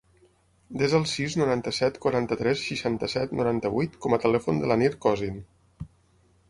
Desa el sis, noranta-set, quaranta-tres, seixanta-set, noranta-vuit com a telèfon de l'Anir Cosin.